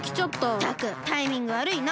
ったくタイミングわるいなあ。